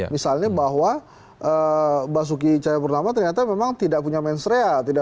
misalnya bahwa mbak suki cahaya purnama ternyata memang tidak punya mens real